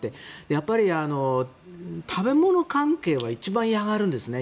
やっぱり食べ物関係は一番嫌がるんですよね。